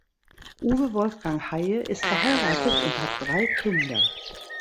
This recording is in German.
Uwe Wolfgang Heye ist verheiratet und hat drei Kinder.